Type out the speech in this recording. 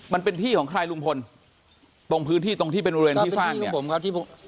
มันเป็นที่ของใครลุงพลตรงพื้นที่ตรงที่เป็นโรงเรียนที่สร้างเนี่ย